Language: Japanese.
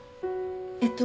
えっと